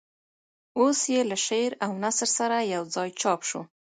اوس یې له شعر او نثر سره یوځای چاپ شو.